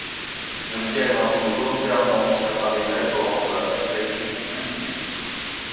Le diagramme omet volontairement certains détails pour rendre la perspective plus visible.